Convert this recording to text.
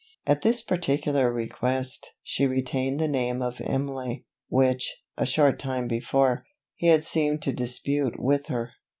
At his particular request, she retained the name of Imlay, which, a short time before, he had seemed to dispute with her.